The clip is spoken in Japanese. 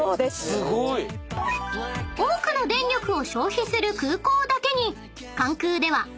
すごい！［多くの電力を消費する空港だけに］